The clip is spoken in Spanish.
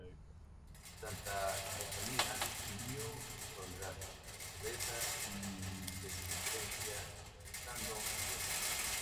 Santa Rosalía vivió en soledad, pobreza y penitencia rezando a Dios.